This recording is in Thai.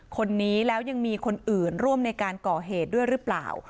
คนนี้แล้วยังมีคนอื่นร่วมในการก่อเหตุด้วยหรือเปล่า